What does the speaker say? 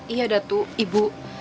iya datu ibu